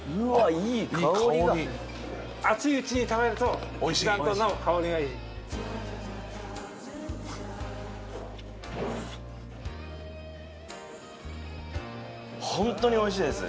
いい香りだいい香り熱いうちに食べると一段となお香りがいいホントにおいしいです